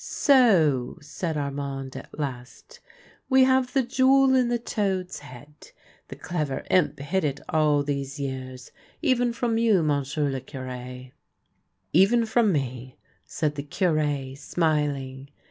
" So," said Armand at last, " we have the jewel in the toad's head. The clever imp hid it all these years — even from you, monsieur le Cure." " Even from me," said the Cure, smiling.